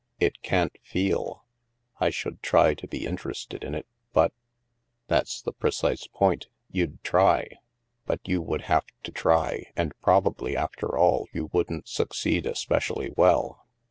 It can't feel. I should try to be interested in it, but —"" That's the precise point. You'd try. But you would have to try and probably, after all, you wouldn't succeed especially well.